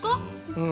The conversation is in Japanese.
うん。